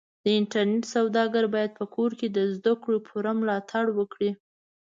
د انټرنېټ سوداګر بايد په کور کې د زدهکړو پوره ملاتړ وکړي.